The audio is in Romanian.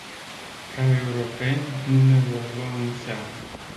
Ca europeni, nu ne vor lua în seamă.